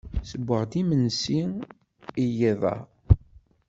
Ssewweɣ-d imensi i yiḍ-a.